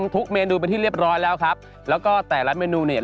ทุกเมนูเป็นที่เรียบร้อยแล้วครับแล้วก็แต่ละเมนูเนี่ย